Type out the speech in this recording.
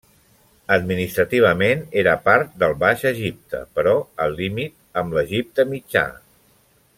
Administrativament, era part del Baix Egipte, però al límit amb l'Egipte mitjà.